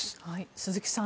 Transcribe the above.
鈴木さん